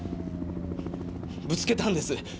ぶつけたんです